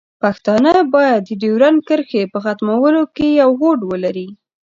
پښتانه باید د ډیورنډ کرښې په ختمولو کې یو هوډ ولري.